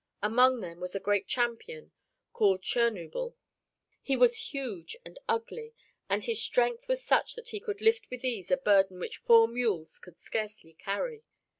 Among them was a great champion called Chernuble. He was huge and ugly and his strength was such that he could lift with ease a burden which four mules could scarcely carry.